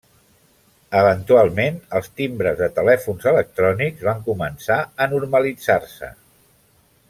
Eventualment els timbres de telèfons electrònics van començar a normalitzar-se.